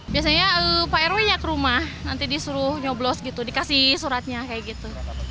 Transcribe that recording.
biasanya pak rw ya ke rumah nanti disuruh nyoblos gitu dikasih suratnya kayak gitu